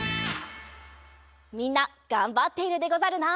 みんながんばっているでござるな！